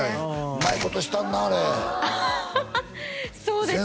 うまいことしとんなああれそうですね